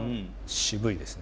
渋いですね。